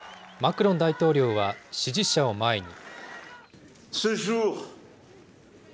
そして、マクロン大統領は支持者を前に。